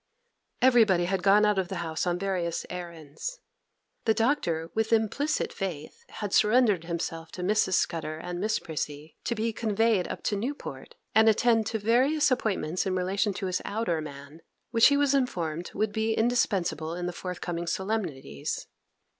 Everybody had gone out of the house on various errands. The Doctor, with implicit faith, had surrendered himself to Mrs. Scudder and Miss Prissy, to be conveyed up to Newport, and attend to various appointments in relation to his outer man, which he was informed would be indispensable in the forthcoming solemnities.